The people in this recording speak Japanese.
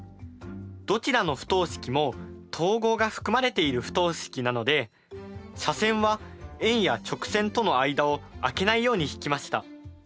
どちらの不等式も等号が含まれている不等式なので斜線は円や直線との間を空けないように引きました。